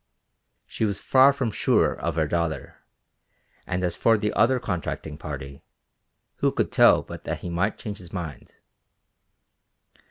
She was far from sure of her daughter, and as for the other contracting party, who could tell but that he might change his mind.